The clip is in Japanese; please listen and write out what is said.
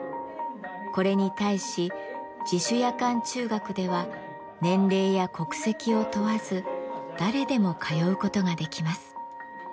これに対し自主夜間中学では年齢や国籍を問わず誰でも通うことができます。